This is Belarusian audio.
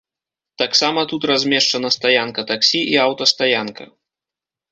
Таксама тут размешчана стаянка таксі і аўтастаянка.